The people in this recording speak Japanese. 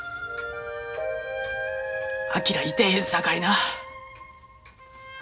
昭いてへんさかいな。